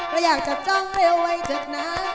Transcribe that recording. ก็อยากจับจ้องเร็วไว้เถอะนะ